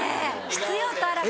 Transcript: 必要とあらば。